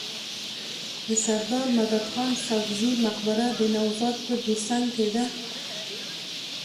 د سرداد مددخان ساکزي مقبره د نوزاد په دوسنګ کي ده.